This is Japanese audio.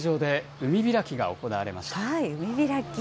海開き。